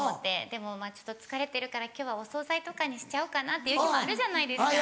でもまぁちょっと疲れてるから今日はお総菜とかにしちゃおうかなっていう日もあるじゃないですか。